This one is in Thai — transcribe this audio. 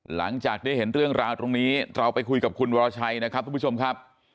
หลังจากได้เห็นเรื่องราวตรงนี้เราไปคุยกับคุณวรชัยนะครับทุกผู้ชมครับ